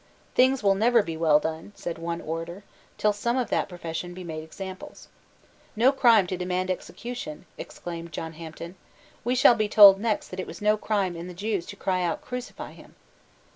"Things will never be well done," said one orator, "till some of that profession be made examples." "No crime to demand execution!" exclaimed John Hampden. "We shall be told next that it was no crime in the Jews to cry out 'Crucify him.'"